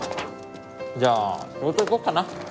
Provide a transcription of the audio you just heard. じゃあ仕事行こっかな。